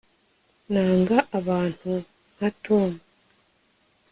nanga abantu nka tom